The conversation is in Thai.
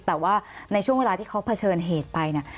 แต่ว่าในเวลาเขาเผชิญเหตุไปเนี่ย